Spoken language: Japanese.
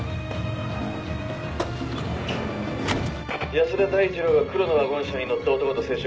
安田大二郎が黒のワゴン車に乗った男と接触。